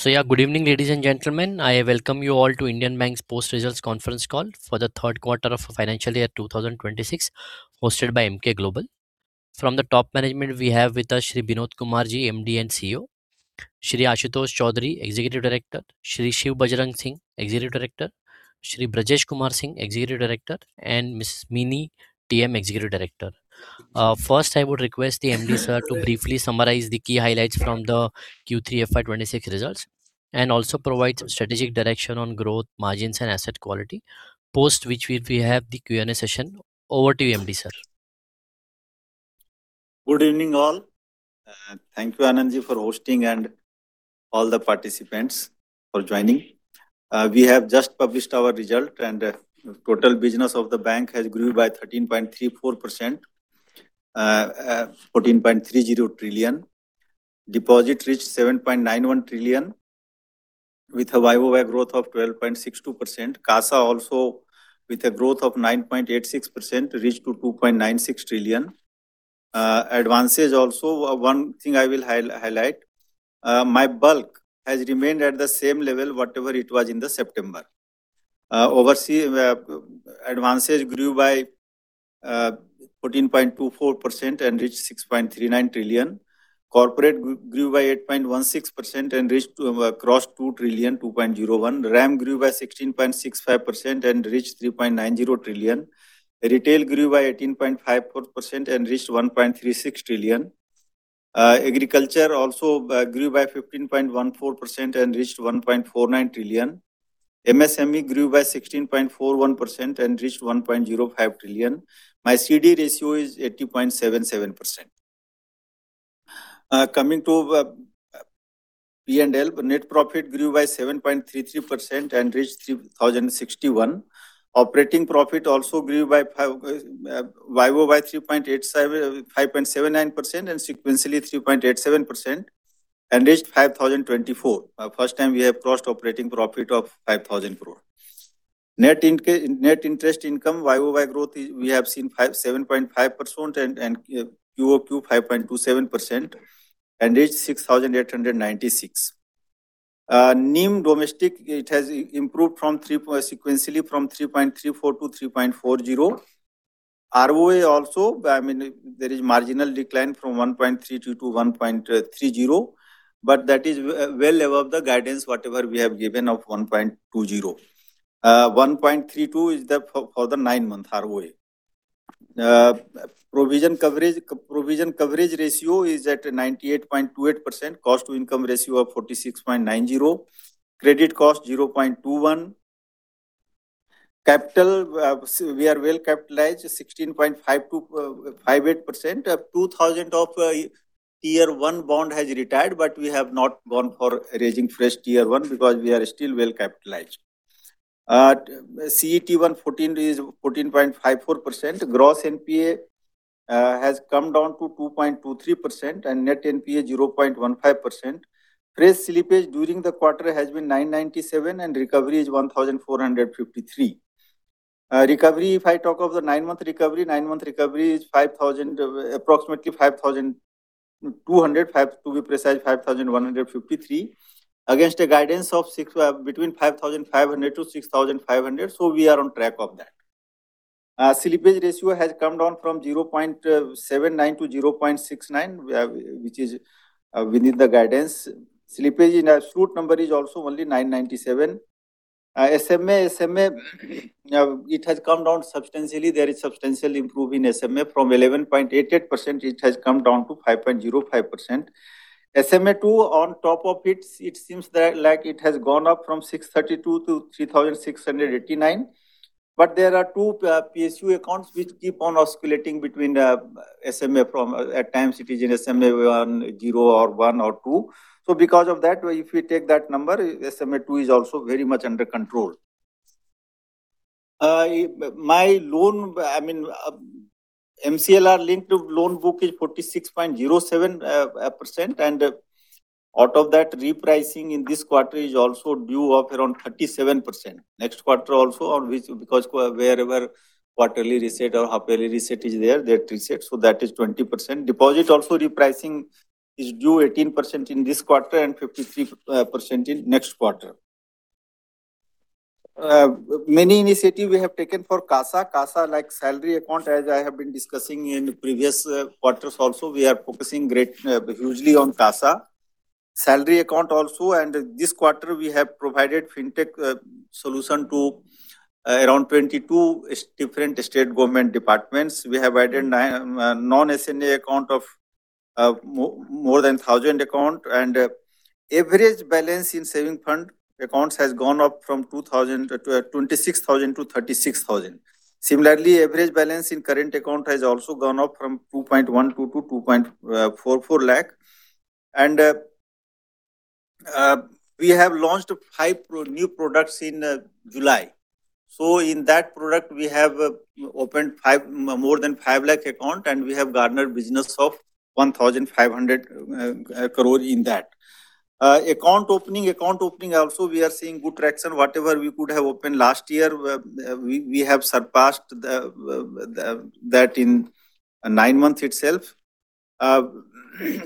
So yeah, good evening, ladies and gentlemen. I welcome you all to Indian Bank's Post Results Conference Call for the Third Quarter of Financial Year 2026, hosted by MK Global. From the top management, we have with us Shri Binod Kumar Ji, MD and CEO, Shri Ashutosh Choudhury, Executive Director, Shri Shiv Bajrang Singh, Executive Director, Shri Brajesh Kumar Singh, Executive Director, and Ms. Meeni, TM, Executive Director. First, I would request the MD, sir, to briefly summarize the key highlights from the Q3 FY26 results and also provide strategic direction on growth, margins, and asset quality. Post which, we have the Q&A session. Over to you, MD, sir. Good evening, all. Thank you, Anand Ji, for hosting, and all the participants for joining. We have just published our result, and total business of the bank has grew by 13.34%, 14.30 trillion. Deposit reached 7.91 trillion, with a YoY growth of 12.62%. CASA also, with a growth of 9.86%, reached 2.96 trillion. Advances also, one thing I will highlight, my bulk has remained at the same level, whatever it was in September. Overseas, advances grew by 14.24% and reached 6.39 trillion. Corporate grew by 8.16% and reached 2.01 trillion. RAM grew by 16.65% and reached 3.90 trillion. Retail grew by 18.54% and reached 1.36 trillion. Agriculture also grew by 15.14% and reached 1.49 trillion. MSME grew by 16.41% and reached 1.05 trillion. My CD ratio is 80.77%. Coming to P&L, net profit grew by 7.33% and reached 3,061. Operating profit also grew by YoY by 3.79% and sequentially 3.87% and reached 5,024. First time we have crossed operating profit of 5,000 crore. Net interest income YoY growth we have seen 7.5% and QoQ 5.27% and reached 6,896. NIM domestic, it has improved sequentially from 3.34% to 3.40%. ROA also, I mean, there is marginal decline from 1.32% to 1.30%, but that is well above the guidance, whatever we have given of 1.20%. 1.32% is the for the nine-month ROA. Provision coverage ratio is at 98.28%, cost to income ratio of 46.90%, credit cost 0.21%. Capital, we are well capitalized 16.58%. 2,000 of Tier 1 bond has retired, but we have not gone for raising fresh Tier 1 because we are still well capitalized. CET1 is 14.54%. Gross NPA has come down to 2.23% and net NPA 0.15%. Fresh slippage during the quarter has been 997 and recovery is 1,453. Recovery, if I talk of the nine-month recovery, nine-month recovery is approximately 5,200, to be precise 5,153, against a guidance of between 5,500 to 6,500. So we are on track of that. Slippage ratio has come down from 0.79 to 0.69, which is within the guidance. Slippage in absolute number is also only 997. SMA, it has come down substantially. There is substantial improvement in SMA from 11.88%. It has come down to 5.05%. SMA2, on top of it, it seems like it has gone up from 632 to 3,689. But there are two PSU accounts which keep on oscillating between SMA from at times it is in SMA10 or 1 or 2. So because of that, if we take that number, SMA2 is also very much under control. My loan, I mean, MCLR linked loan book is 46.07%, and out of that, repricing in this quarter is also due of around 37%. Next quarter also, because wherever quarterly reset or half-yearly reset is there, that reset. So that is 20%. Deposit also repricing is due 18% in this quarter and 53% in next quarter. Many initiatives we have taken for CASA. CASA, like salary account, as I have been discussing in previous quarters, also we are focusing hugely on CASA. Salary account also, and this quarter we have provided fintech solution to around 22 different state government departments. We have added non-SA accounts of more than 1,000 accounts, and average balance in savings accounts has gone up from 26,000 to 36,000. Similarly, average balance in current account has also gone up from 2.12 lakh to 2.44 lakh. And we have launched five new products in July. So in that product, we have opened more than 5 lakh accounts, and we have garnered business of 1,500 crore in that. Account opening, account opening also, we are seeing good traction. Whatever we could have opened last year, we have surpassed that in nine months itself.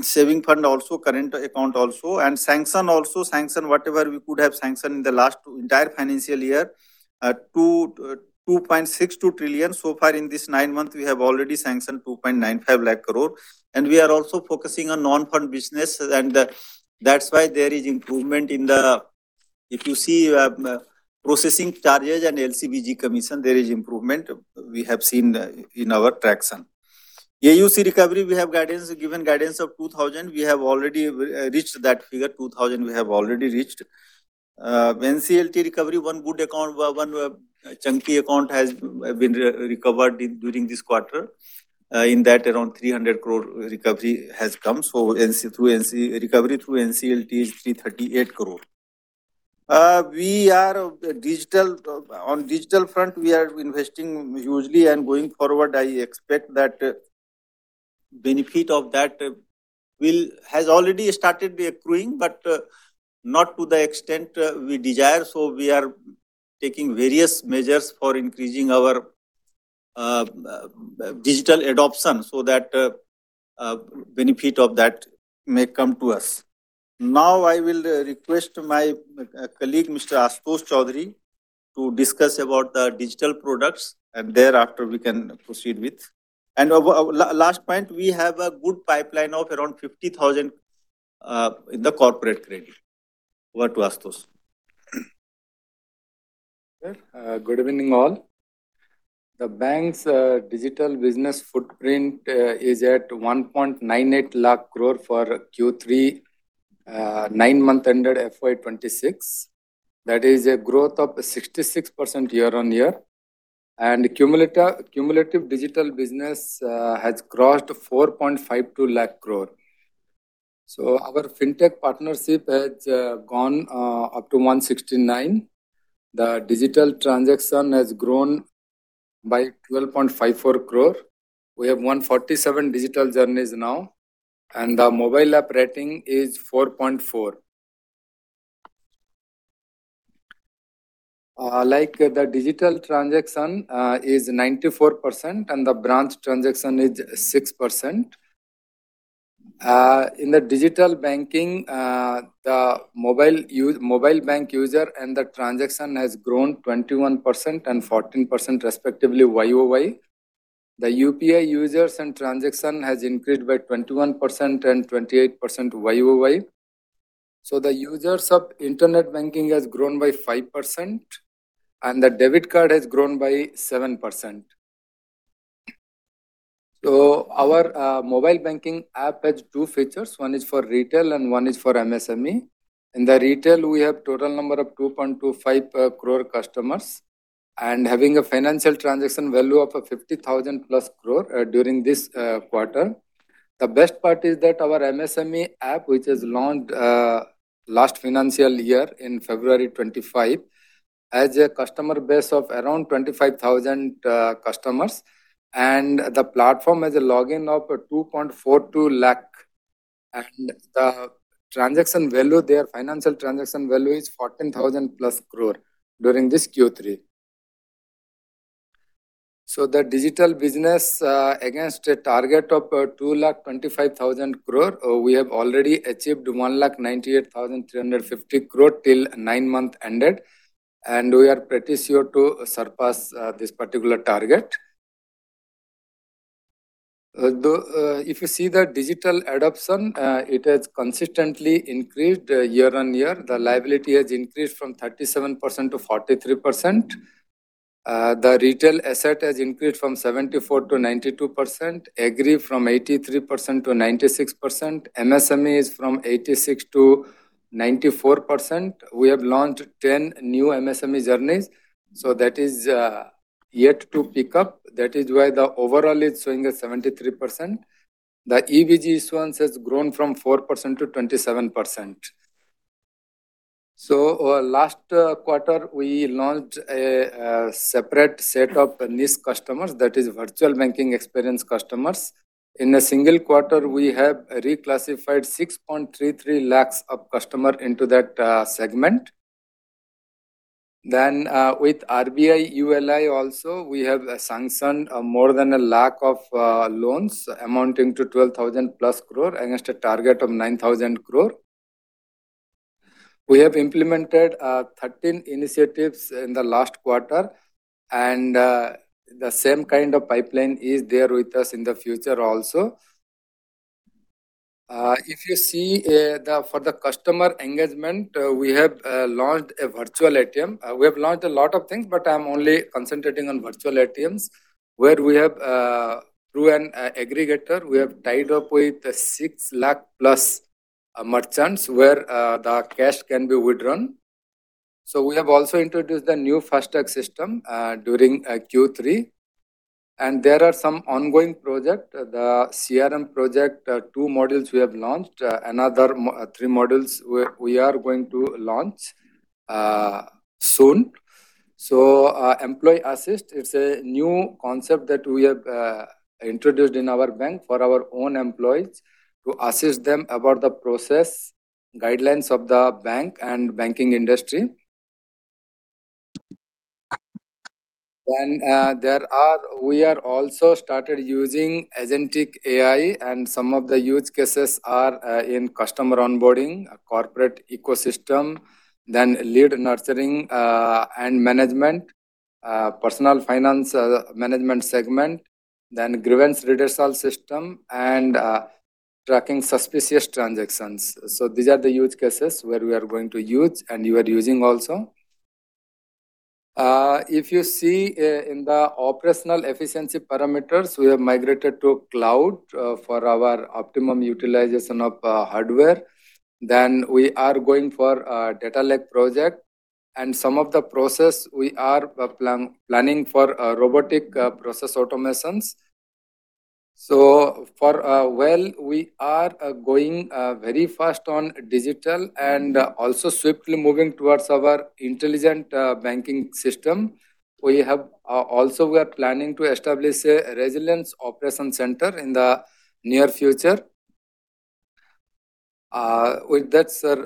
Savings fund also, current account also, and sanction also, sanction whatever we could have sanctioned in the last entire financial year, 2.62 trillion. So far in this nine months, we have already sanctioned 2.95 lakh crore. And we are also focusing on non-fund business, and that's why there is improvement in the, if you see processing charges and LC/BG commission, there is improvement we have seen in our traction. AUC recovery, we have given guidance of 2,000. We have already reached that figure, 2,000 we have already reached. NCLT recovery, one good account, one chunky account has been recovered during this quarter. In that, around 300 crore recovery has come. So recovery through NCLT is 338 crore. We are on digital front, we are investing hugely and going forward. I expect that benefit of that has already started accruing, but not to the extent we desire. So we are taking various measures for increasing our digital adoption so that benefit of that may come to us. Now I will request my colleague, Mr. Ashutosh Choudhury, to discuss about the digital products, and thereafter we can proceed with. And last point, we have a good pipeline of around 50,000 in the corporate credit. Over to Ashutosh. Good evening, all. The bank's digital business footprint is at 1.98 lakh crore for Q3, nine-month ended FY26. That is a growth of 66% year on year, and cumulative digital business has crossed 4.52 lakh crore. Our fintech partnership has gone up to 169. The digital transaction has grown by 12.54 crore. We have 147 digital journeys now, and the mobile app rating is 4.4. Like, the digital transaction is 94%, and the branch transaction is 6%. In the digital banking, the mobile bank user and the transaction has grown 21% and 14%, respectively, YOY. The UPI users and transaction has increased by 21% and 28% YOY. The users of internet banking has grown by 5%, and the debit card has grown by 7%. Our mobile banking app has two features. One is for retail, and one is for MSME. In the retail, we have a total number of 2.25 crore customers and having a financial transaction value of 50,000 plus crore during this quarter. The best part is that our MSME App, which has launched last financial year in February 2025, has a customer base of around 25,000 customers, and the platform has a login of 2.42 lakh. And the financial transaction value is 14,000 plus crore during this Q3. So the digital business, against a target of 225,000 crore, we have already achieved 198,350 crore till nine-month ended, and we are pretty sure to surpass this particular target. If you see the digital adoption, it has consistently increased year on year. The liability has increased from 37% to 43%. The retail asset has increased from 74% to 92%, aggregate from 83% to 96%. MSME is from 86% to 94%. We have launched 10 new MSME journeys. So that is yet to pick up. That is why the overall is showing at 73%. The e-G issuance has grown from 4% to 27%. So last quarter, we launched a separate set of niche customers. That is virtual banking experience customers. In a single quarter, we have reclassified 6.33 lakhs of customers into that segment. Then with RBI ULI also, we have sanctioned more than a lakh of loans amounting to 12,000-plus crore against a target of 9,000 crore. We have implemented 13 initiatives in the last quarter, and the same kind of pipeline is there with us in the future also. If you see, for the customer engagement, we have launched a virtual ATM. We have launched a lot of things, but I'm only concentrating on virtual ATMs where we have, through an aggregator, tied up with 6 lakh plus merchants where the cash can be withdrawn. So we have also introduced the new fast track system during Q3. And there are some ongoing projects, the CRM project, two models we have launched, another three models we are going to launch soon. So employee assist, it's a new concept that we have introduced in our bank for our own employees to assist them about the process guidelines of the bank and banking industry. Then we have also started using agentic AI, and some of the use cases are in customer onboarding, corporate ecosystem, then lead nurturing and management, personal finance management segment, then grievance redressal system and tracking suspicious transactions. So, these are the use cases where we are going to use and you are using also. If you see in the operational efficiency parameters, we have migrated to cloud for our optimum utilization of hardware. Then we are going for a Data Lake Project, and some of the process we are planning for robotic process automations. So for a while, we are going very fast on digital and also swiftly moving towards our intelligent banking system. We have also planning to establish a resilience operation center in the near future. With that, sir,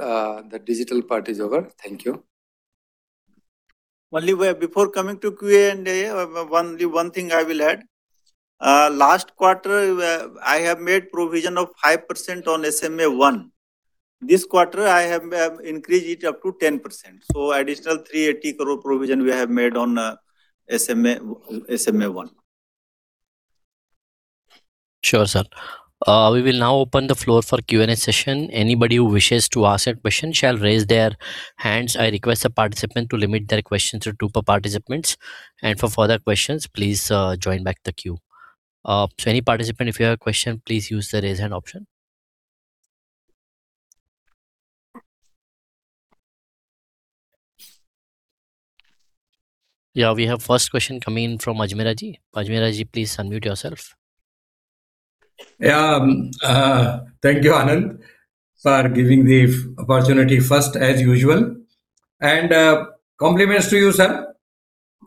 the digital part is over. Thank you. Only before coming to Q&A, one thing I will add. Last quarter, I have made provision of 5% on SMA1. This quarter, I have increased it up to 10%. So additional 380 crore provision we have made on SMA1. Sure, sir. We will now open the floor for Q&A session. Anybody who wishes to ask a question shall raise their hands. I request the participant to limit their questions to two participants. And for further questions, please join back the queue. So any participant, if you have a question, please use the raise hand option. Yeah, we have first question coming in from Ajmera ji. Ajmera ji, please unmute yourself. Yeah, thank you, Anand, for giving the opportunity first, as usual, and compliments to you, sir,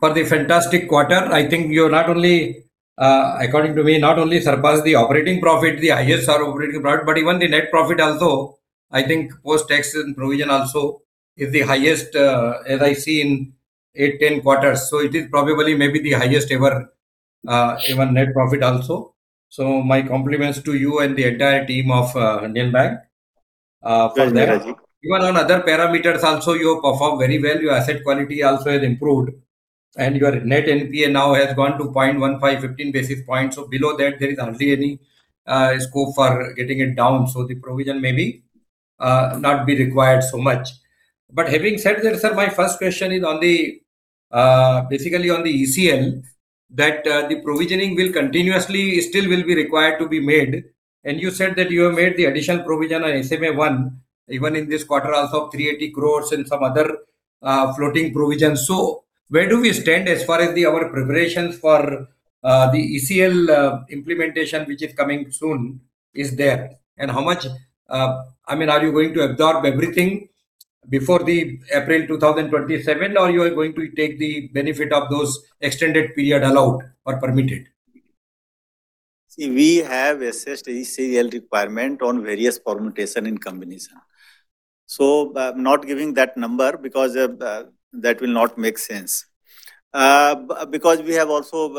for the fantastic quarter. I think you have not only, according to me, not only surpassed the operating profit, the highest operating profit, but even the net profit also, I think post-tax provision also, is the highest, as I see in 8-10 quarters. So it is probably maybe the highest ever, even net profit also. So my compliments to you and the entire team of Indian Bank for that. Even on other parameters also, you have performed very well. Your asset quality also has improved, and your net NPA now has gone to 0.1515 basis points. So below that, there is hardly any scope for getting it down. So the provision maybe not be required so much. But having said that, sir, my first question is basically on the ECL, that the provisioning will continuously still be required to be made. And you said that you have made the additional provision on SMA-1, even in this quarter also of 380 crores and some other floating provisions. So where do we stand as far as our preparations for the ECL implementation, which is coming soon, is there? And how much, I mean, are you going to absorb everything before April 2027, or you are going to take the benefit of those extended period allowed or permitted? See, we have assessed ECL requirement on various permutation and combination. So I'm not giving that number because that will not make sense. Because we have also,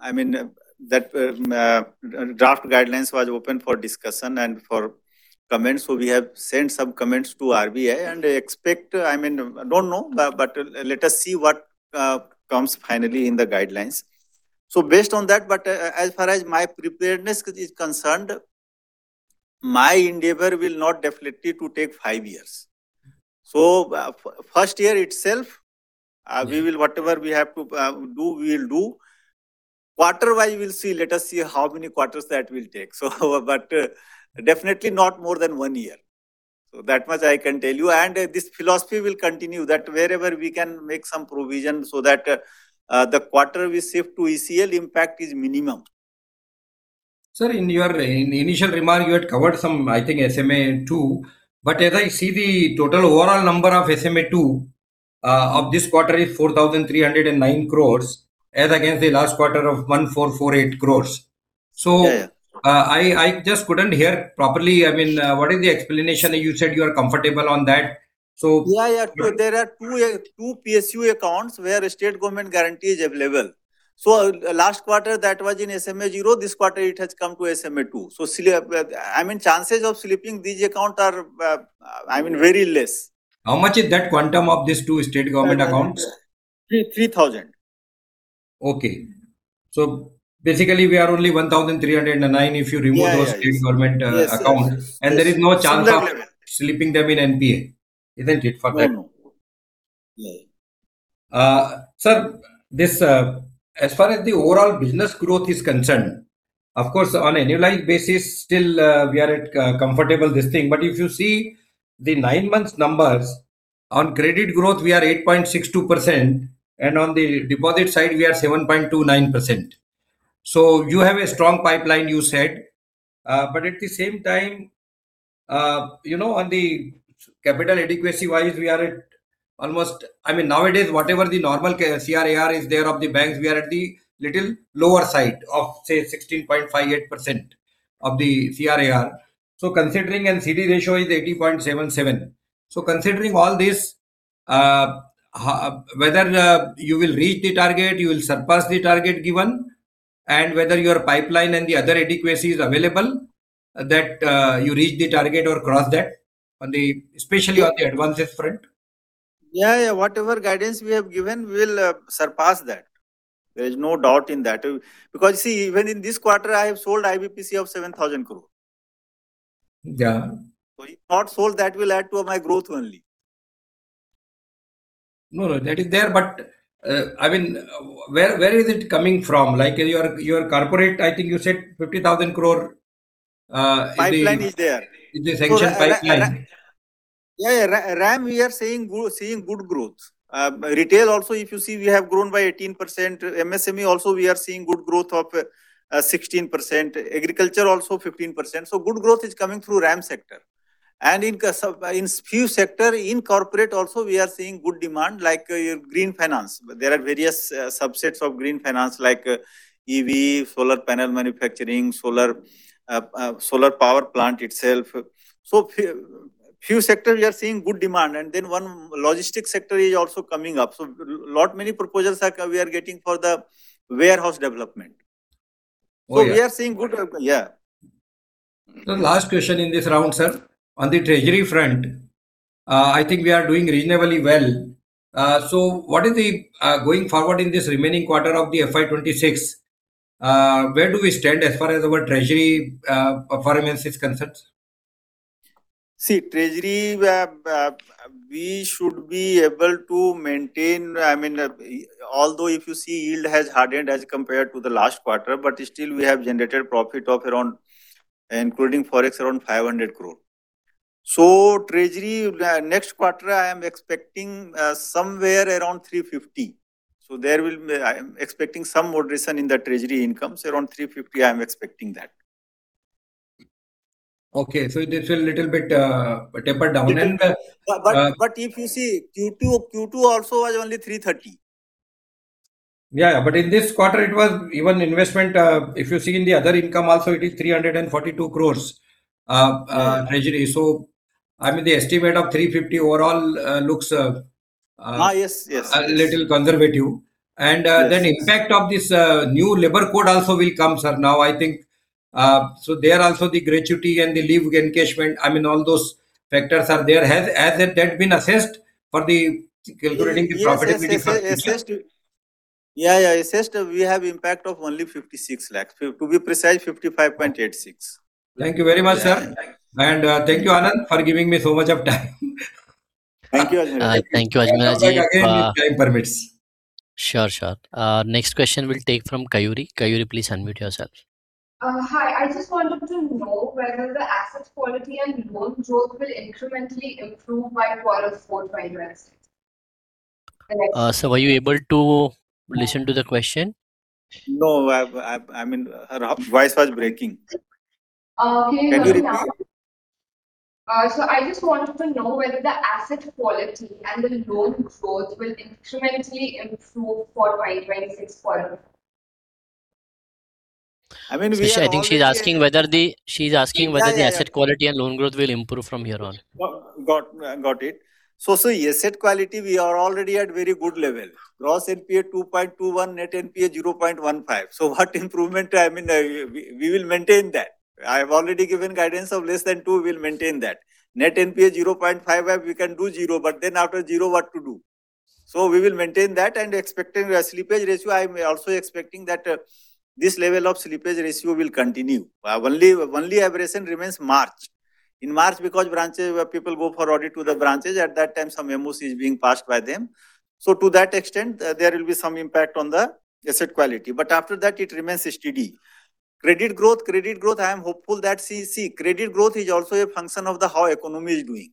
I mean, that draft guidelines was open for discussion and for comments. So we have sent some comments to RBI and expect, I mean, I don't know, but let us see what comes finally in the guidelines. So based on that, but as far as my preparedness is concerned, my endeavor will not deflate to take five years. So first year itself, we will whatever we have to do, we will do. Quarter-wise, we will see. Let us see how many quarters that will take. So but definitely not more than one year. So that much I can tell you. And this philosophy will continue that wherever we can make some provision so that the quarter we shift to ECL impact is minimum. Sir, in your initial remark, you had covered some, I think, SMA2. But as I see the total overall number of SMA2 of this quarter is 4,309 crores as against the last quarter of 1,448 crores. So I just couldn't hear properly, I mean, what is the explanation? You said you are comfortable on that. So. Yeah, there are two PSU accounts where state government guarantee is available. So last quarter, that was in SMA-0. This quarter, it has come to SMA-2. So I mean, chances of slipping these accounts are, I mean, very less. How much is that quantum of these two state government accounts? 3,000. Okay, so basically, we are only 1,309 if you remove those state government accounts, and there is no chance of slipping them in NPA, isn't it, for that? No. Sir, as far as the overall business growth is concerned, of course, on annualized basis, still we are comfortable this thing. But if you see the nine-month numbers, on credit growth, we are 8.62%, and on the deposit side, we are 7.29%. So you have a strong pipeline, you said. But at the same time, you know, on the capital adequacy-wise, we are at almost, I mean, nowadays, whatever the normal CRAR is there of the banks, we are at the little lower side of, say, 16.58% of the CRAR. So considering, and CD ratio is 80.77. So considering all this, whether you will reach the target, you will surpass the target given, and whether your pipeline and the other adequacy is available that you reach the target or cross that, especially on the advances front? Yeah, yeah. Whatever guidance we have given, we will surpass that. There is no doubt in that. Because see, even in this quarter, I have sold IBPC of 7,000 crore. So if not sold, that will add to my growth only. No, that is there. But I mean, where is it coming from? Like your corporate, I think you said 50,000 crore in the. Pipeline is there. In the sanctioned pipeline. Yeah, yeah. RAM, we are seeing good growth. Retail also, if you see, we have grown by 18%. MSME also, we are seeing good growth of 16%. Agriculture also, 15%. So good growth is coming through RAM sector. And in few sectors, in corporate also, we are seeing good demand, like green finance. There are various subsets of green finance, like EV, solar panel manufacturing, solar power plant itself. So few sectors, we are seeing good demand. And then one logistics sector is also coming up. So a lot many proposals we are getting for the warehouse development. So we are seeing good. Yeah. Sir, last question in this round, sir. On the treasury front, I think we are doing reasonably well. So what is the going forward in this remaining quarter of the FY26? Where do we stand as far as our treasury performance is concerned? See, treasury, we should be able to maintain. I mean, although if you see, yield has hardened as compared to the last quarter, but still we have generated profit of around, including forex, around 500 crore. So treasury, next quarter, I am expecting somewhere around 350. So there will, I am expecting some moderation in the treasury incomes, around 350, I am expecting that. Okay, so it's a little bit tapered down. But if you see, Q2 also was only 330. Yeah, but in this quarter, it was even investment. If you see in the other income also, it is 342 crores. So I mean, the estimate of 350 overall looks. yes, yes. A little conservative, and then the impact of this new labor code also will come, sir, now, I think, so there also the gratuity and the leave encashment, I mean, all those factors are there. Has that been assessed for calculating the profitability? Yeah, yeah. Assessed, we have impact of only 56 lakhs. To be precise, 55.86. Thank you very much, sir, and thank you, Anand, for giving me so much of time. Thank you, Ajmera ji. Thank you, Ajmera ji. Again, if time permits. Sure, sure. Next question will take from Kayuri. Kayuri, please unmute yourself. Hi, I just wanted to know whether the asset quality and loan growth will incrementally improve by quarter four to quarter six? Sir, were you able to listen to the question? No, I mean, her voice was breaking. Okay. Can you repeat? I just wanted to know whether the asset quality and the loan growth will incrementally improve for quarter twenty-six. I mean, I think she's asking whether the asset quality and loan growth will improve from here on. Got it. So asset quality, we are already at very good level. Gross NPA 2.21%, net NPA 0.15%. So what improvement, I mean, we will maintain that. I have already given guidance of less than 2%, we will maintain that. Net NPA 0.5%, we can do 0%. But then after zero, what to do? So we will maintain that. And expecting a slippage ratio, I am also expecting that this level of slippage ratio will continue. Only aberration remains March. In March, because people go for audit to the branches, at that time, some MOC is being passed by them. So to that extent, there will be some impact on the asset quality. But after that, it remains steady. Credit growth, credit growth, I am hopeful that see, credit growth is also a function of how the economy is doing.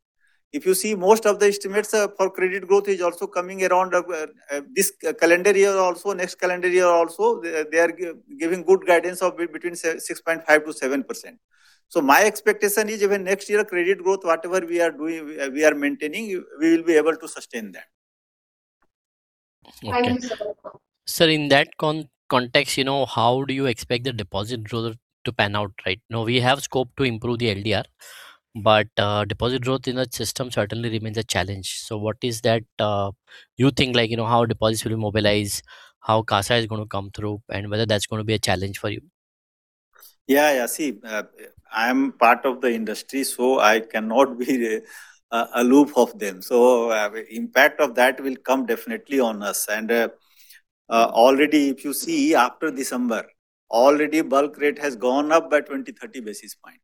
If you see, most of the estimates for credit growth is also coming around this calendar year also, next calendar year also, they are giving good guidance of between 6.5%-7%. So my expectation is even next year, credit growth, whatever we are maintaining, we will be able to sustain that. Thank you, sir. Sir, in that context, you know how do you expect the deposit growth to pan out, right? We have scope to improve the LDR, but deposit growth in the system certainly remains a challenge. So what is that you think, like how deposits will mobilize, how CASA is going to come through, and whether that's going to be a challenge for you? Yeah, yeah. See, I am part of the industry, so I cannot be aloof of them. So the impact of that will come definitely on us. And already, if you see, after December, already bulk rate has gone up by 20-30 basis points.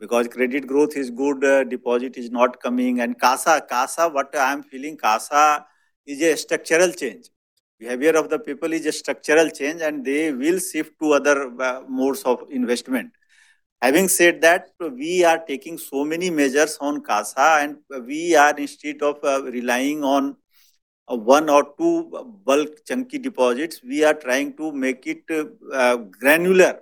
Because credit growth is good, deposit is not coming. And CASA, CASA, what I am feeling, CASA is a structural change. Behavior of the people is a structural change, and they will shift to other modes of investment. Having said that, we are taking so many measures on CASA, and we are instead of relying on one or two bulk chunky deposits, we are trying to make it granular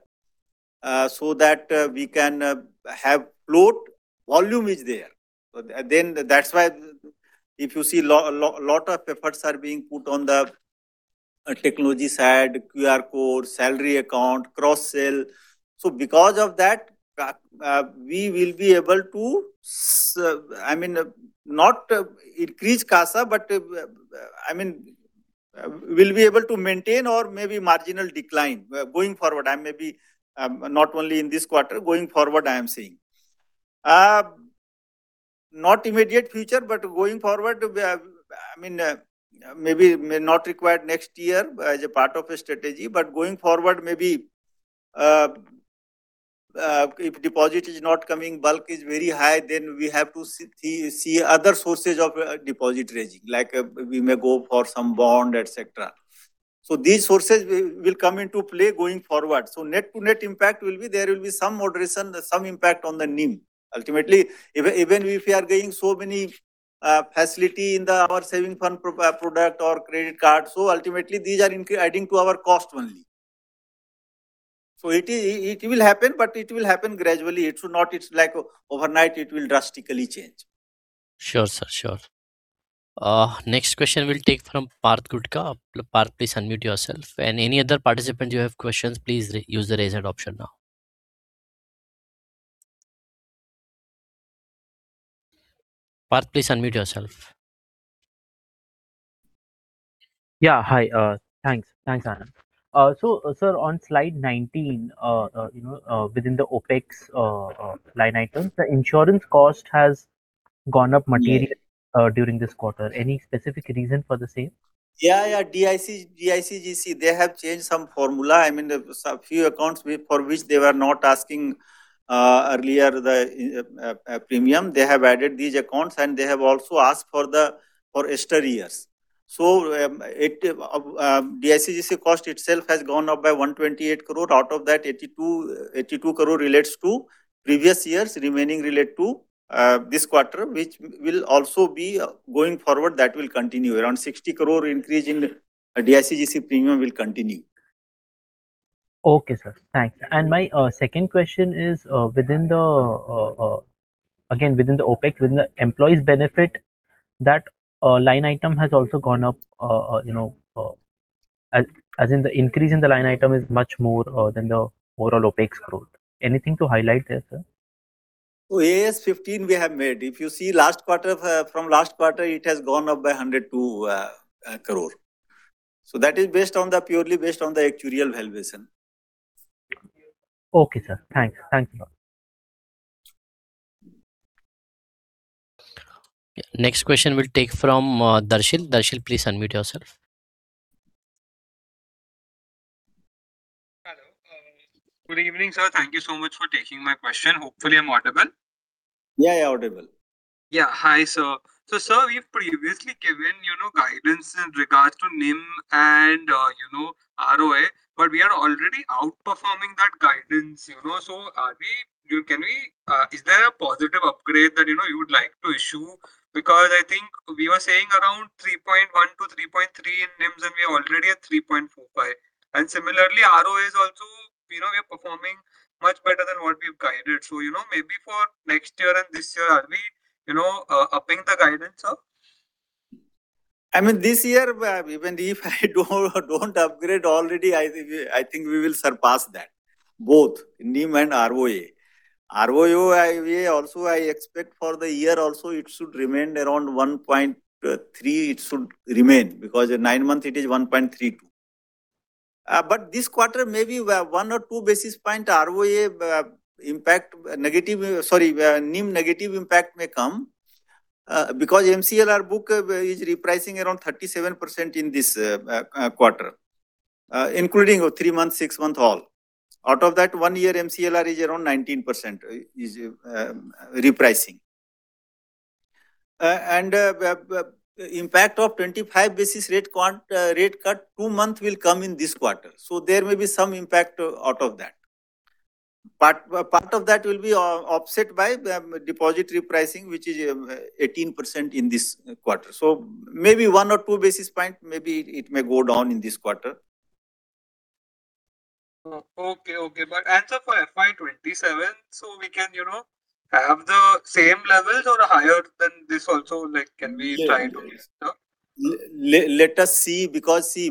so that we can have float volume is there. Then that's why if you see a lot of efforts are being put on the technology side, QR code, salary account, cross-sell. So because of that, we will be able to, I mean, not increase CASA, but I mean, we will be able to maintain or maybe marginal decline going forward. I may be not only in this quarter, going forward, I am seeing. Not immediate future, but going forward, I mean, maybe not required next year as a part of a strategy, but going forward, maybe if deposit is not coming, bulk is very high, then we have to see other sources of deposit raising, like we may go for some bond, etc. So these sources will come into play going forward. So net to net impact will be there will be some moderation, some impact on the NIM. Ultimately, even if we are getting so many facilities in our saving fund product or credit card, so ultimately, these are adding to our cost only. So it will happen, but it will happen gradually. It should not. It's like overnight, it will drastically change. Sure, sir, sure. Next question will take from Parth Gutka. Parth, please unmute yourself. And any other participant who have questions, please use the raise hand option now. Parth, please unmute yourself. Yeah, hi. Thanks, Anand. So sir, on slide 19, within the OPEX line items, the insurance cost has gone up materially during this quarter. Any specific reason for the same? Yeah, yeah. DICGC, they have changed some formula. I mean, a few accounts for which they were not asking earlier the premium. They have added these accounts, and they have also asked for the extra years. So DICGC cost itself has gone up by 128 crore. Out of that, 82 crore relates to previous years, remaining relate to this quarter, which will also be going forward, that will continue around 60 crore increase in DICGC premium will continue. Okay, sir. Thanks. And my second question is, again, within the OpEx, within the employee benefits, that line item has also gone up, as in the increase in the line item is much more than the overall OpEx growth. Anything to highlight there, sir? AS 15 we have made. If you see, last quarter, it has gone up by 102 crore. That is based purely on the actuarial valuation. Okay, sir. Thanks. Thanks a lot. Next question will take from Darshil. Darshil, please unmute yourself. Hello. Good evening, sir. Thank you so much for taking my question. Hopefully, I'm audible. Yeah, yeah, audible. Yeah, hi, so sir, we've previously given guidance in regards to NIM and ROA, but we are already outperforming that guidance, so can we, is there a positive upgrade that you would like to issue? Because I think we were saying around 3.1-3.3 in NIMs, and we are already at 3.45, and similarly, ROA is also, we are performing much better than what we've guided, so maybe for next year and this year, are we upping the guidance up? I mean, this year, even if I don't upgrade already, I think we will surpass that, both NIM and ROA. ROA also, I expect for the year also, it should remain around 1.3. It should remain because in nine months, it is 1.32. But this quarter, maybe one or two basis points ROA impact, negative, sorry, NIM negative impact may come because MCLR book is repricing around 37% in this quarter, including three months, six months all. Out of that, one year, MCLR is around 19% repricing. And impact of 25 basis points rate cut two months will come in this quarter. So there may be some impact out of that. But part of that will be offset by deposit repricing, which is 18% in this quarter. So maybe one or two basis points, maybe it may go down in this quarter. Okay, okay. By end of FY27, so we can have the same levels or higher than this also, like can we try to? Let us see. Because, see,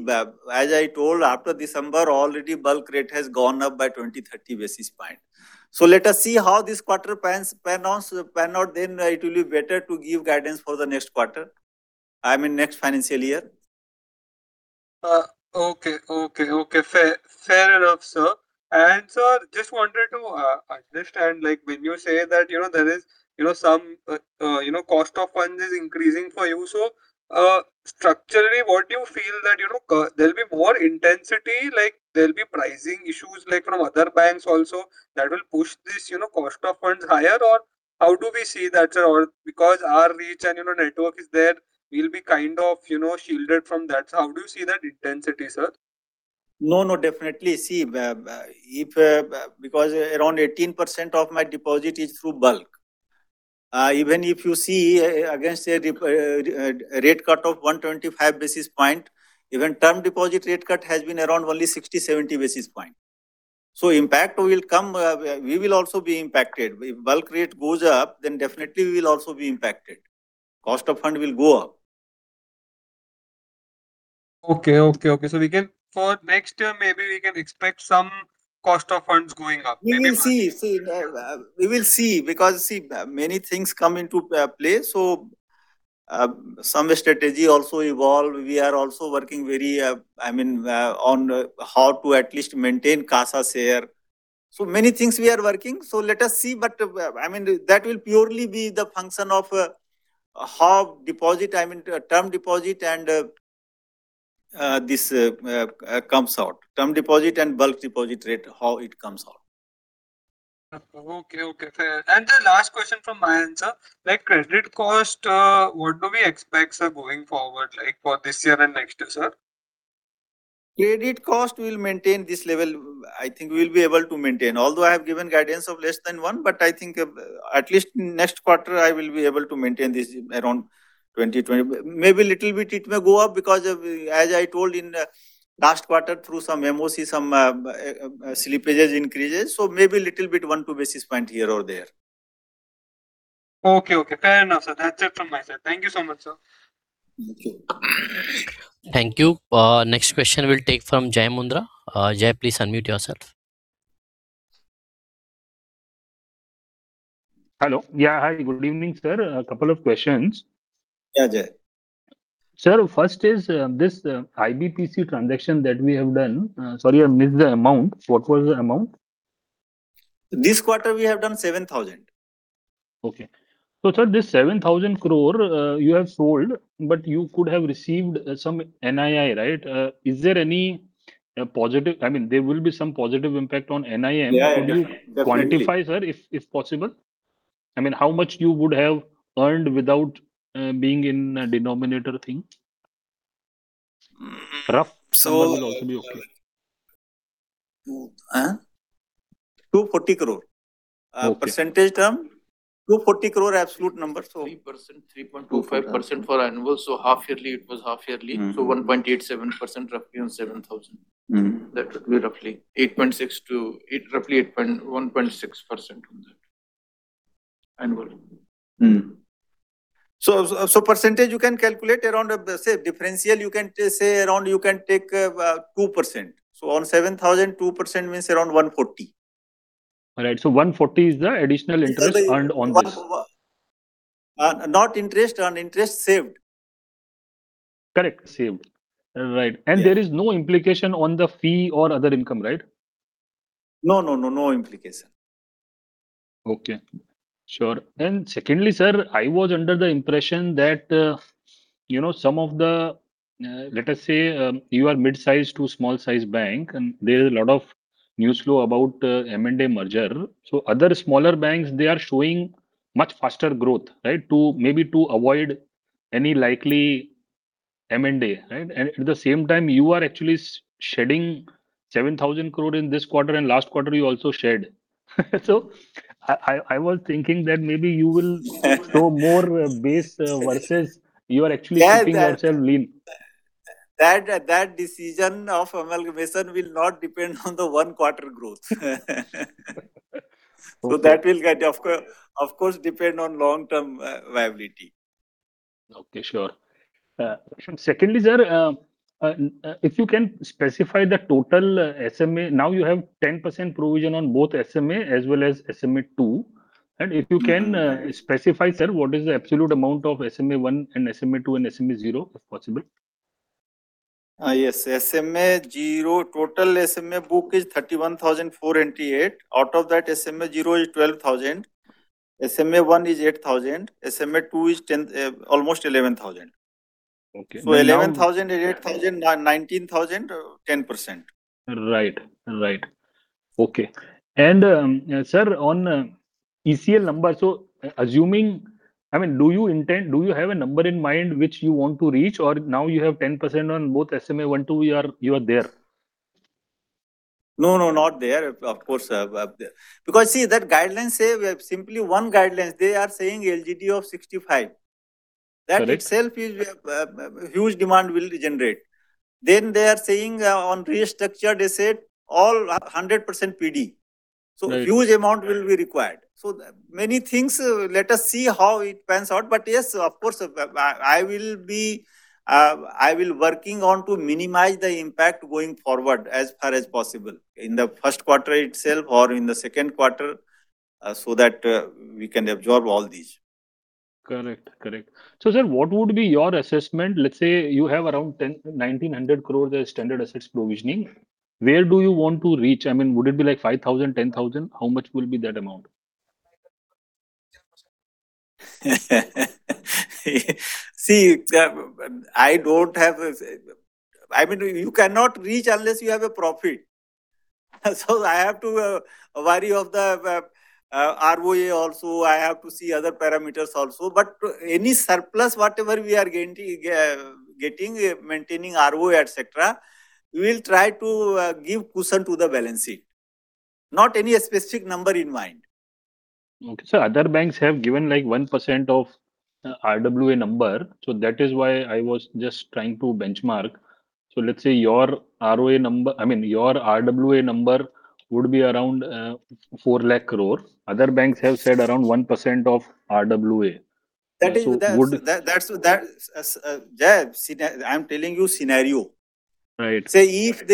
as I told, after December, already bulk rate has gone up by 20-30 basis points. So let us see how this quarter pan out, then it will be better to give guidance for the next quarter, I mean, next financial year. Okay, okay, okay. Fair enough, sir, and sir, just wanted to understand, like when you say that there is some cost of funds is increasing for you, so structurally, what do you feel that there will be more intensity, like there will be pricing issues from other banks also that will push this cost of funds higher, or how do we see that, sir? Because our reach and network is there, we'll be kind of shielded from that. How do you see that intensity, sir? No, no, definitely. See, because around 18% of my deposit is through bulk. Even if you see against a rate cut of 125 basis point, even term deposit rate cut has been around only 60, 70 basis point. So impact will come, we will also be impacted. If bulk rate goes up, then definitely we will also be impacted. Cost of fund will go up. Okay, okay, okay. So we can, for next year, maybe we can expect some cost of funds going up. We will see because many things come into play. So some strategy also evolve. We are also working very, I mean, on how to at least maintain CASA share. So many things we are working. So let us see, but I mean, that will purely be the function of how deposit, I mean, term deposit and this comes out. Term deposit and bulk deposit rate, how it comes out. Okay, okay. And the last question from my end, sir, like credit cost, what do we expect, sir, going forward, like for this year and next year, sir? Credit cost will maintain this level. I think we will be able to maintain. Although I have given guidance of less than one, but I think at least next quarter, I will be able to maintain this around 20, 20. Maybe a little bit it may go up because as I told in last quarter, through some MOC, some slippages increases. So maybe a little bit one two basis point here or there. Okay, okay. Fair enough, sir. That's it from my side. Thank you so much, sir. Thank you. Next question will take from Jay Mundra. Jay, please unmute yourself. Hello. Yeah, hi. Good evening, sir. A couple of questions. Yeah, Jay. Sir, first is this IBPC transaction that we have done. Sorry, I missed the amount. What was the amount? This quarter we have done 7,000. Okay. So, sir, this 7,000 crore you have sold, but you could have received some NII, right? Is there any positive, I mean, there will be some positive impact on NIM? Could you quantify, sir, if possible? I mean, how much you would have earned without being in a denominator thing? Rough. So it will also be okay. 240 crore. Percentage term? 240 crore, absolute number. 3%, 3.25% for annual. So half yearly, it was half yearly. So 1.87% roughly on 7,000. That would be roughly 8.6%-1.6% on that annual. So, percentage you can calculate around, say, differential. You can say around; you can take 2%. So on 7,000, 2% means around 140. Right. So 140 is the additional interest earned on the. Not interest earned, interest saved. Correct. Saved. Right. And there is no implication on the fee or other income, right? No, no, no, no implication. Okay. Sure. And secondly, sir, I was under the impression that some of the, let us say, you are mid-sized to small-sized bank, and there is a lot of news flow about M&A merger. So other smaller banks, they are showing much faster growth, right, maybe to avoid any likely M&A, right? And at the same time, you are actually shedding 7,000 crore in this quarter, and last quarter you also shed. So I was thinking that maybe you will show more base versus you are actually keeping yourself lean. That decision of amalgamation will not depend on the one quarter growth. So that will, of course, depend on long-term viability. Okay, sure. Secondly, sir, if you can specify the total SMA, now you have 10% provision on both SMA as well as SMA 2. And if you can specify, sir, what is the absolute amount of SMA 1 and SMA 2 and SMA 0, if possible? Yes. SMA-0, total SMA book is 31,488. Out of that, SMA-0 is 12,000. SMA-1 is 8,000. SMA-2 is almost 11,000. So 11,000 is 8,000, 19,000, 10%. Right, right. Okay. And sir, on ECL number, so assuming, I mean, do you intend, do you have a number in mind which you want to reach, or now you have 10% on both SMA 1, 2, you are there? No, no, not there, of course. Because see, that guideline say simply one guideline, they are saying LGD of 65%. That itself is huge demand will generate. Then they are saying on restructured asset, all 100% PD. So huge amount will be required. So many things, let us see how it pans out. But yes, of course, I will be working on to minimize the impact going forward as far as possible in the first quarter itself or in the second quarter so that we can absorb all these. Correct, correct. So sir, what would be your assessment? Let's say you have around 1,900 crore as standard assets provisioning. Where do you want to reach? I mean, would it be like 5,000, 10,000? How much will be that amount? See, I don't have, I mean, you cannot reach unless you have a profit. So I have to worry of the ROA also. I have to see other parameters also. But any surplus, whatever we are getting, maintaining ROA, etc., we will try to give cushion to the balance sheet. Not any specific number in mind. Okay. So other banks have given like 1% of RWA number. So that is why I was just trying to benchmark. So let's say your ROA number, I mean, your RWA number would be around 4 lakh crore. Other banks have said around 1% of RWA. That is, Jay, I'm telling you scenario. Right. Say if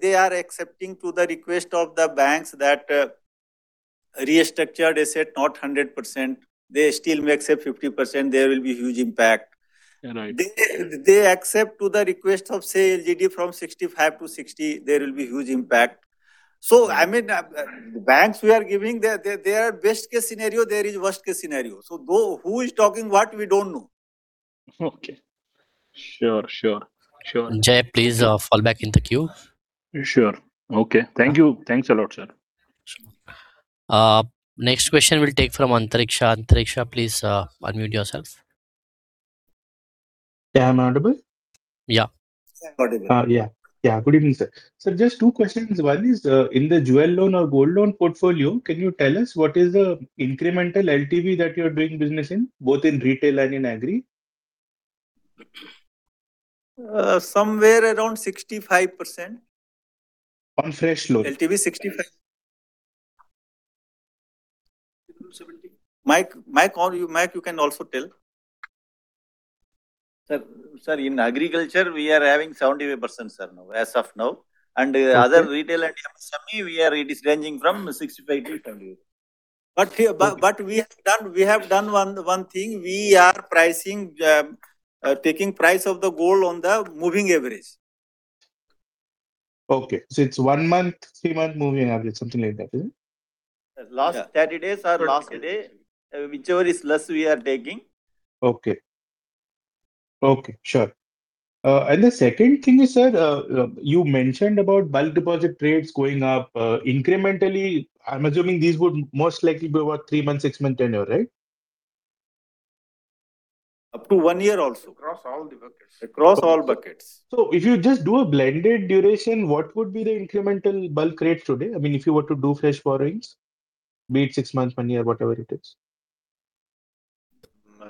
they are accepting to the request of the banks that restructured asset, not 100%. They still may accept 50%. There will be huge impact. Right. They accept to the request of, say, LGD from 65 to 60. There will be huge impact, so I mean, the banks we are giving, they are best case scenario, there is worst case scenario, so who is talking what? We don't know. Okay. Sure, sure, sure. Jay, please fall back in the queue. Sure. Okay. Thank you. Thanks a lot, sir. Next question will take from Antariksha. Antariksha, please unmute yourself. Yeah, I'm audible? Yeah. Good evening, sir. Sir, just two questions. One is in the Jewel Loan or gold loan portfolio, can you tell us what is the incremental LTV that you are doing business in, both in retail and in agri? Somewhere around 65%. On fresh loans? LTV 65. Migth you can also tell. Sir, in agriculture, we are having 75% sir now, as of now. And other retail and MSME, it is ranging from 65%-75%. But we have done one thing. We are pricing, taking price of the gold on the moving average. Okay. So it's one month, three month moving average, something like that, is it? Last 30 days or last day, whichever is less, we are taking. Okay. Okay, sure. And the second thing is, sir, you mentioned about bulk deposit rates going up incrementally. I'm assuming these would most likely be about three months, six month tenure, right? Up to one year also. Across all the buckets. Across all buckets. So if you just do a blended duration, what would be the incremental bulk rates today? I mean, if you were to do fresh borrowings, be it six months, one year, whatever it is.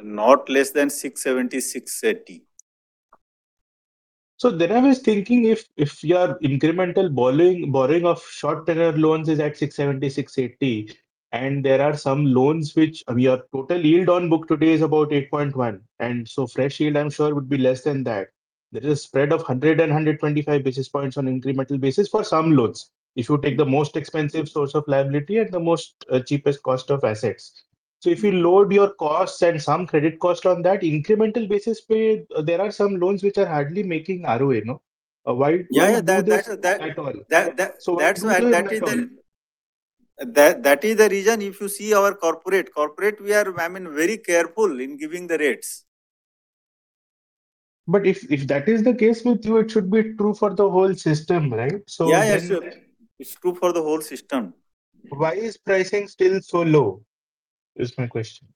Not less than 670, 680. So then I was thinking if your incremental borrowing of short-term loans is at 670, 680, and there are some loans which your total yield on book today is about 8.1, and so fresh yield, I'm sure, would be less than that. There is a spread of 100 and 125 basis points on incremental basis for some loans. If you take the most expensive source of liability and the most cheapest cost of assets. So if you load your costs and some credit cost on that incremental basis, there are some loans which are hardly making ROA, no? Why? Yeah, that is the reason. If you see our corporate, we are, I mean, very careful in giving the rates. But if that is the case with you, it should be true for the whole system, right? Yeah, yes, sir. It's true for the whole system. Why is pricing still so low? This is my question.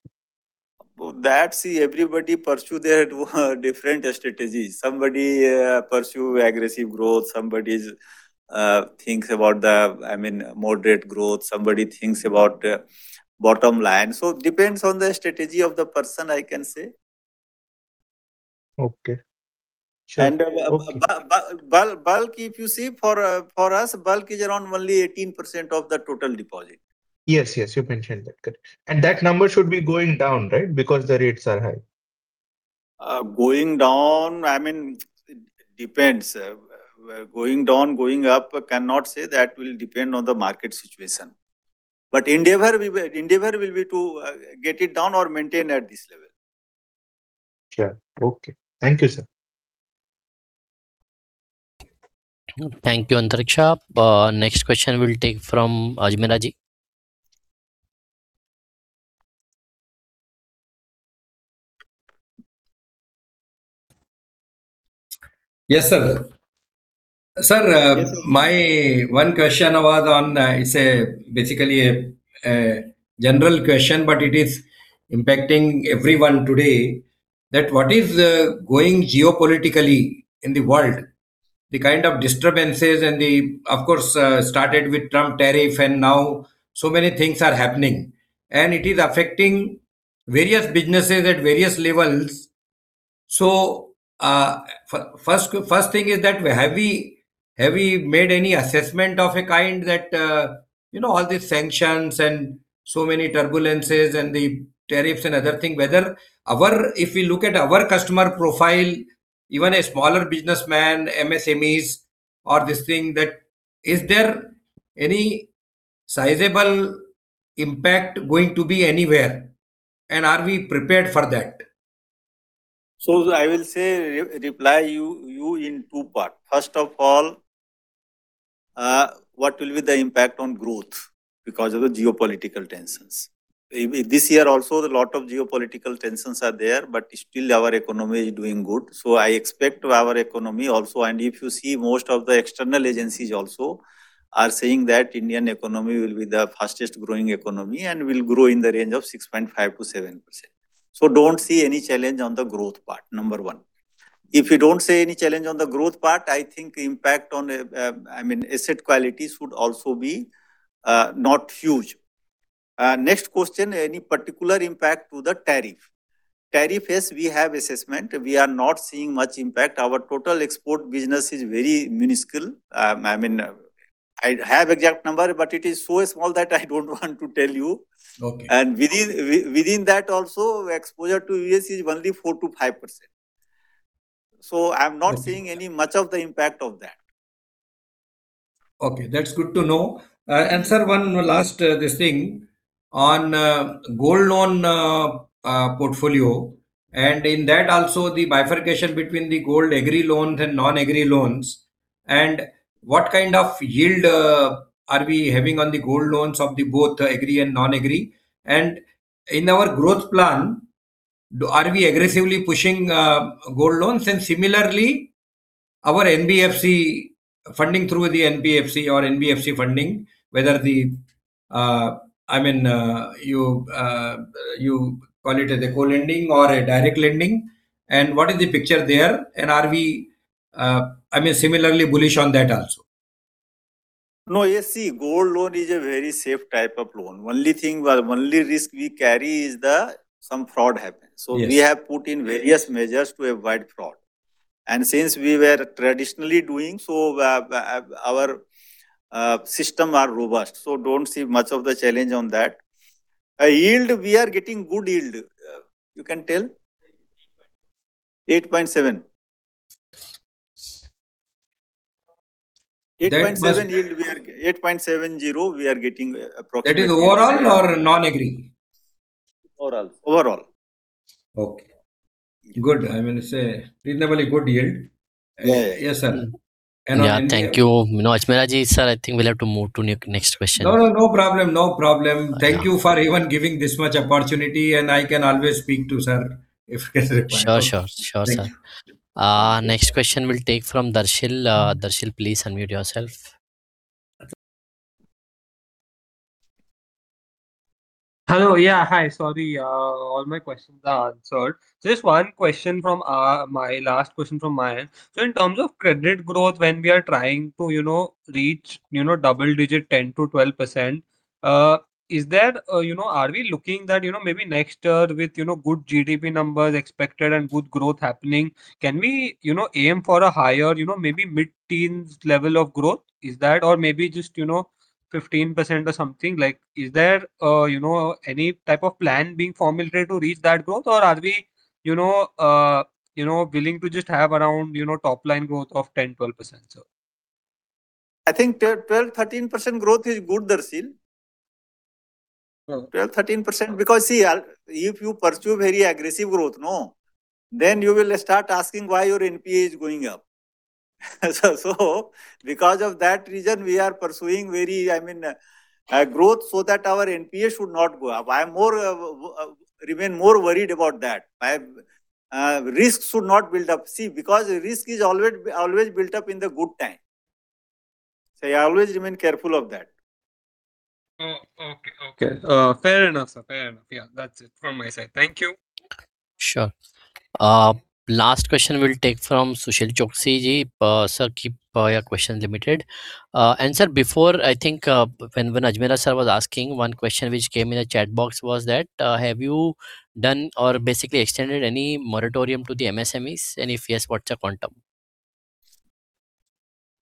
is, see, everybody pursues their different strategies. Somebody pursues aggressive growth, somebody thinks about the, I mean, moderate growth, somebody thinks about bottom line. So it depends on the strategy of the person, I can say. Okay. Bulk, if you see, for us, bulk is around only 18% of the total deposit. Yes, yes, you mentioned that, and that number should be going down, right, because the rates are high? Going down, I mean, depends. Going down, going up, cannot say that will depend on the market situation. But endeavor will be to get it down or maintain at this level. Sure. Okay. Thank you, sir. Thank you, Antariksha. Next question will take from Ajmera ji. Yes, sir. Sir, my one question was on. I say, basically a general question, but it is impacting everyone today, that what is going geopolitically in the world, the kind of disturbances and the, of course, started with Trump tariff and now so many things are happening. And it is affecting various businesses at various levels. So first thing is that, have we made any assessment of a kind that all these sanctions and so many turbulences and the tariffs and other thing, whether if we look at our customer profile, even a smaller businessman, MSMEs or this thing, that is there any sizable impact going to be anywhere? And are we prepared for that? So I will say reply you in two parts. First of all, what will be the impact on growth because of the geopolitical tensions? This year also, a lot of geopolitical tensions are there, but still our economy is doing good. So I expect our economy also, and if you see most of the external agencies also are saying that Indian economy will be the fastest growing economy and will grow in the range of 6.5%-7%. So don't see any challenge on the growth part, number one. If you don't see any challenge on the growth part, I think impact on, I mean, asset quality should also be not huge. Next question, any particular impact to the tariff? Tariff is, we have assessment, we are not seeing much impact. Our total export business is very minuscule. I mean, I have exact number, but it is so small that I don't want to tell you. And within that also, exposure to U.S. is only 4%-5%. I'm not seeing any much of the impact of that. Okay. That's good to know. And sir, one last thing on gold loan portfolio, and in that also, the bifurcation between the gold agri loans and non-agri loans, and what kind of yield are we having on the gold loans of both agri and non-agri? And in our growth plan, are we aggressively pushing gold loans? And similarly, our NBFC funding through the NBFC or NBFC funding, whether the, I mean, you call it as a co-lending or a direct lending, and what is the picture there? And are we, I mean, similarly bullish on that also? No, you see, gold loan is a very safe type of loan. Only thing, the only risk we carry is some fraud happens. So we have put in various measures to avoid fraud. And since we were traditionally doing, so our systems are robust. So don't see much of the challenge on that. Yield, we are getting good yield. You can tell? 8.7%. 8.7% yield, 8.70%, we are getting approximately. That is overall or non-agri? Overall. Overall. Okay. Good. I mean, it's a reasonably good yield. Yes, sir. Yeah. Thank you. Ajmera ji, sir, I think we'll have to move to next question. No, no, no problem. No problem. Thank you for even giving this much opportunity, and I can always speak to sir if you can reply. Sure, sure, sure, sir. Next question will take from Darshil. Darshil, please unmute yourself. Hello. Yeah, hi. Sorry. All my questions are answered. So just one question from my last question from my end. So in terms of credit growth, when we are trying to reach double-digit 10-12%, is there, are we looking that maybe next year with good GDP numbers expected and good growth happening, can we aim for a higher, maybe mid-teens level of growth? Is that or maybe just 15% or something? Is there any type of plan being formulated to reach that growth, or are we willing to just have around top line growth of 10-12%, sir? I think 12-13% growth is good, Darshil. 12-13% because see, if you pursue very aggressive growth, then you will start asking why your NPA is going up. So because of that reason, we are pursuing very, I mean, growth so that our NPA should not go up. I remain more worried about that. Risks should not build up. See, because risk is always built up in the good time. So I always remain careful of that. Okay, okay. Fair enough, sir. Fair enough. Yeah, that's it from my side. Thank you. Sure. Last question will take from Sushil Choksey ji. Sir, keep your question limited. And sir, before I think when Ajmera sir was asking, one question which came in the chat box was that, have you done or basically extended any moratorium to the MSMEs? And if yes, what's the quantum?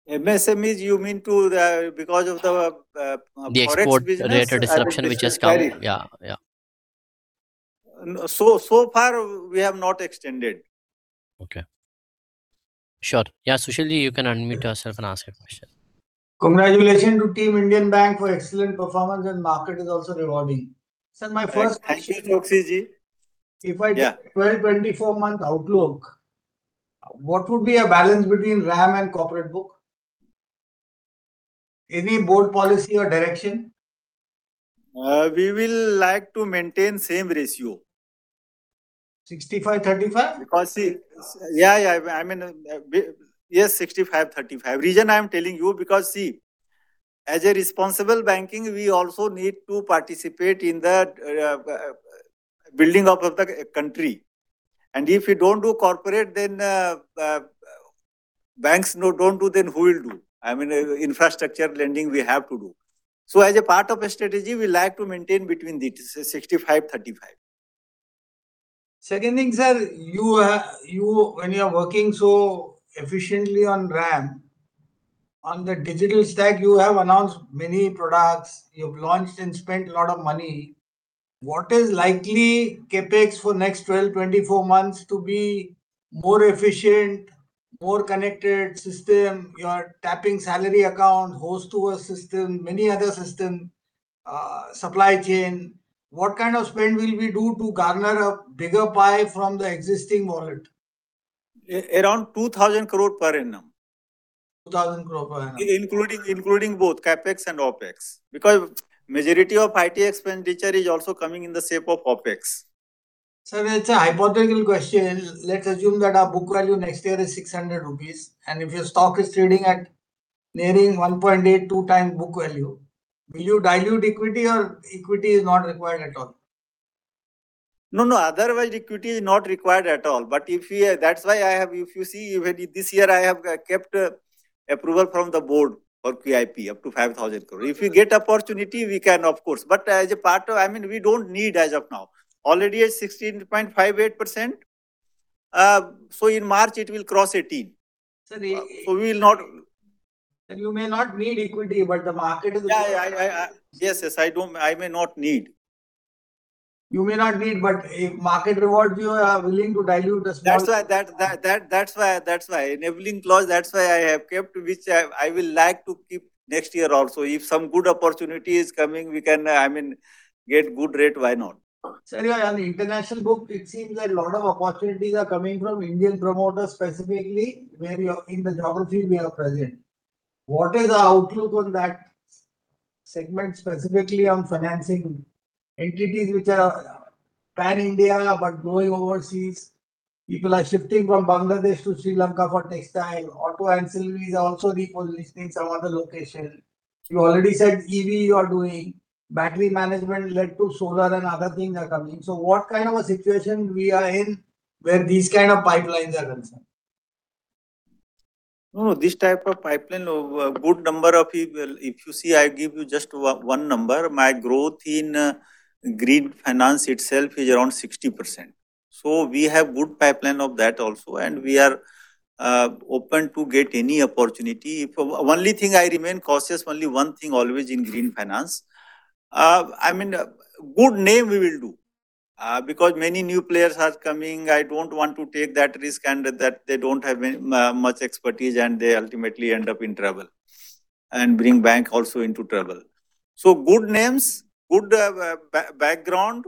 MSMEs, you mean too because of the forex business? Yes, forex rate disruption which has come. Yeah, yeah. So far, we have not extended. Okay. Sure. Yeah, Sushil ji, you can unmute yourself and ask your question. Congratulations to Team Indian Bank for excellent performance, and market is also rewarding. Sir, my first question. Sushil Choksi ji, if I take 12-24 month outlook, what would be a balance between RAM and corporate book? Any bold policy or direction? We will like to maintain same ratio. 65, 35? Because, see, yeah, yeah, I mean, yes, 65-35. Reason I'm telling you because, see, as a responsible banking, we also need to participate in the building of the country. And if we don't do corporate, then banks don't do, then who will do? I mean, infrastructure lending, we have to do. So as a part of strategy, we like to maintain between 65-35. Second thing, sir, when you are working so efficiently on RAM, on the digital stack, you have announced many products. You've launched and spent a lot of money. What is likely CapEx for next 12-24 months to be more efficient, more connected system? You are tapping salary account, host to a system, many other systems, supply chain. What kind of spend will we do to garner a bigger pie from the existing wallet? Around 2,000 crore per annum. 2,000 crore per annum. Including both CapEx and OPEX. Because majority of IT expenditure is also coming in the shape of OPEX. Sir, it's a hypothetical question. Let's assume that our book value next year is 600 rupees, and if your stock is trading at nearing 1.8-2 times book value, will you dilute equity or equity is not required at all? No, no. Otherwise, equity is not required at all. But that's why I have, if you see. This year I have kept approval from the board for QIP up to 5,000 crore. If you get opportunity, we can, of course. But as a part of, I mean, we don't need as of now. Already at 16.58%. So in March, it will cross 18%. Sir. So we will not. You may not need equity, but the market is rewarding. Yes, yes. I may not need. You may not need, but if market rewards, you are willing to dilute as well. That's why enabling clause, that's why I have kept, which I will like to keep next year also. If some good opportunity is coming, we can, I mean, get good rate, why not? Sir, on the international book, it seems that a lot of opportunities are coming from Indian promoters specifically where in the geography we are present. What is the outlook on that segment specifically on financing entities which are pan-India but growing overseas? People are shifting from Bangladesh to Sri Lanka for textile. Auto ancillaries are also repositioning some other location. You already said EV you are doing. Battery management led to solar and other things are coming. So what kind of a situation we are in where these kind of pipelines are concerned? No, no. This type of pipeline, good number of, if you see, I give you just one number. My growth in green finance itself is around 60%. So we have good pipeline of that also. And we are open to get any opportunity. Only thing I remain cautious, only one thing always in green finance. I mean, good name we will do. Because many new players are coming, I don't want to take that risk and that they don't have much expertise and they ultimately end up in trouble and bring bank also into trouble. So good names, good background,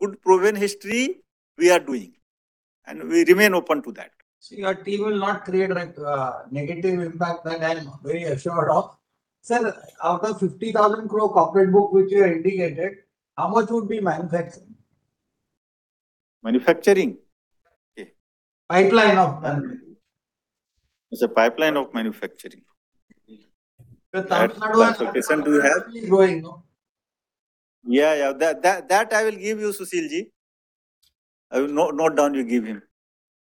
good proven history, we are doing. And we remain open to that. So your team will not create a negative impact that I'm very assured of. Sir, out of 50,000 crore corporate book which you have indicated, how much would be manufacturing? Manufacturing? Pipeline of manufacturing. It's a pipeline of manufacturing. That's a question to have. Yeah, yeah. That I will give you, Sushil ji. Note down, you give him.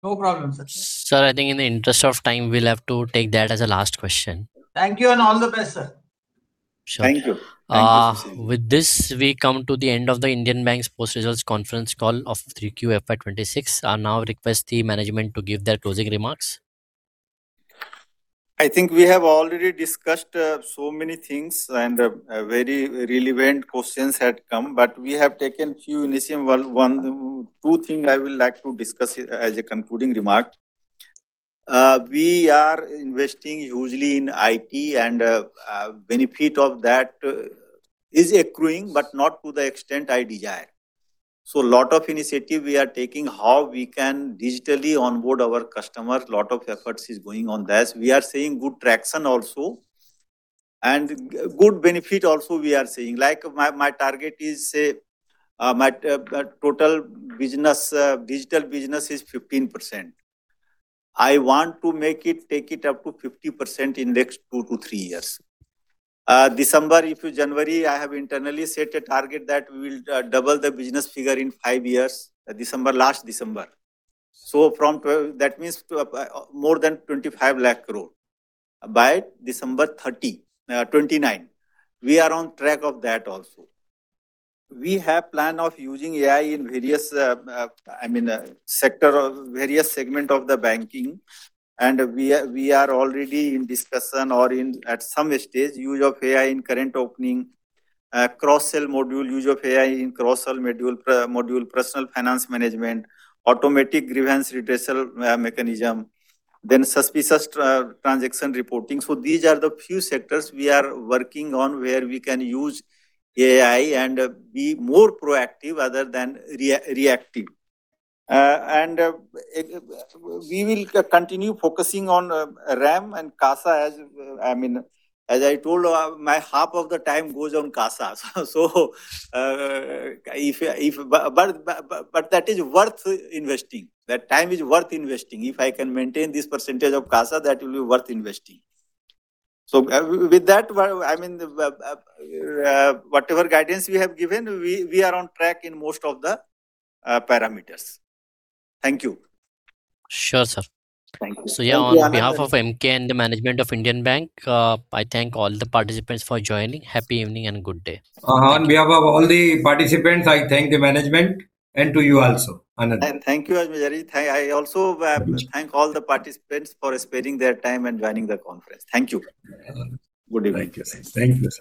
No problem, sir. Sir, I think in the interest of time, we'll have to take that as a last question. Thank you and all the best, sir. Thank you. Thank you. With this, we come to the end of the Indian Bank's post-results conference call of 3Q FY26. I now request the management to give their closing remarks. I think we have already discussed so many things and very relevant questions had come. But we have taken a few initial one. Two things I will like to discuss as a concluding remark. We are investing hugely in IT and benefit of that is accruing, but not to the extent I desire. So a lot of initiative we are taking how we can digitally onboard our customers. A lot of efforts is going on there. We are seeing good traction also. And good benefit also we are seeing. Like my target is say my total digital business is 15%. I want to make it take it up to 50% in next two to three years. December, if you January, I have internally set a target that we will double the business figure in five years, last December. So from that means more than 25 lakh crore by December 2029. We are on track of that also. We have plan of using AI in various, I mean, sector, various segment of the banking. We are already in discussion or in at some stage use of AI in current opening, cross-sell module, use of AI in cross-sell module, personal finance management, automatic grievance redressal mechanism, then suspicious transaction reporting. These are the few sectors we are working on where we can use AI and be more proactive other than reactive. We will continue focusing on RAM and CASA as, I mean, as I told, my half of the time goes on CASA. That is worth investing. That time is worth investing. If I can maintain this percentage of CASA, that will be worth investing. With that, I mean, whatever guidance we have given, we are on track in most of the parameters. Thank you. Sure, sir. Thank you. So yeah, on behalf of MK and the management of Indian Bank, I thank all the participants for joining. Happy evening and good day. On behalf of all the participants, I thank the management and to you also, Anand. And thank you, Ajmera ji. I also thank all the participants for sparing their time and joining the conference. Thank you. Good evening. Thank you. Thank you.